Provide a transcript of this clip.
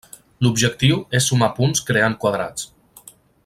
L'objectiu és sumar punts creant quadrats.